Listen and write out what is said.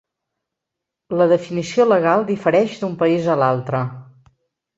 La definició legal difereix d'un país a l'altre.